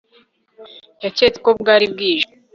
Yaketse ko bwari bwije